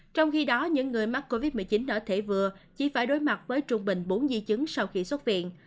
trong khi đó những người mắc covid một mươi chín ở thể vừa chỉ phải đối mặt với trung bình bốn di chứng sau khi xuất viện